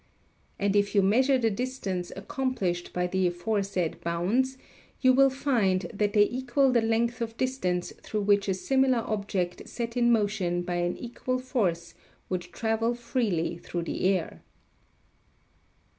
And if you measure the distance accomplished by the aforesaid bounds you will find that they equal the length of distance through which a similar object set in motion by an equal force would travel freely through the air.